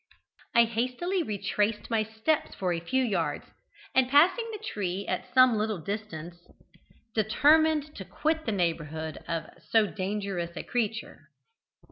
"I hastily retraced my steps for a few yards, and passing the tree at some little distance, determined to quit the neighbourhood of so dangerous a creature.